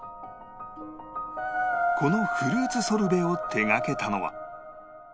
このフルーツソルベを手掛けたのは